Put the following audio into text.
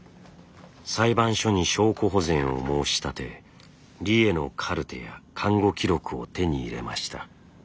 裁判所に証拠保全を申し立て理栄のカルテや看護記録を手に入れました。